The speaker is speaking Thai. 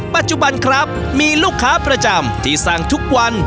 ปัจจุบันครับมีลูกค้าประจำที่สั่งทุกวัน